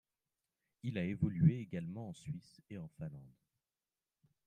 Il a évolué également en Suisse et en Finlande.